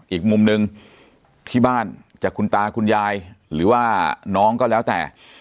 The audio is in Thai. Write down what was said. อีกมุมหนึ่งที่บ้านจากคุณตาคุณยายหรือว่าน้องก็แล้วแต่